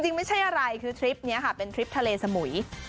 จริงไม่ใช่อะไรคือทริปนี้ค่ะเป็นทริปทะเลสมุย